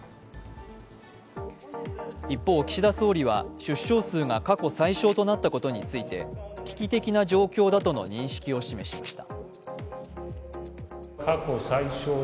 一方、岸田総理は出生数が過去最少となったことについて危機的な状況だとの認識を示しました。